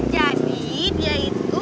jadi dia itu